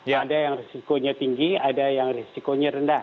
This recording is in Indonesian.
ada yang risikonya tinggi ada yang risikonya rendah